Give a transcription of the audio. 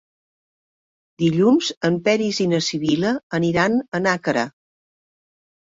Dilluns en Peris i na Sibil·la aniran a Nàquera.